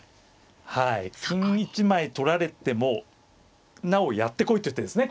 金１枚取られてもなおやってこいっていう手ですね